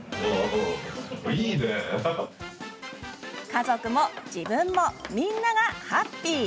家族も自分もみんながハッピー！